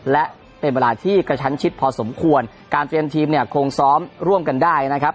และเป็นเวลาที่กระชั้นชิดพอสมควรการเตรียมทีมเนี่ยคงซ้อมร่วมกันได้นะครับ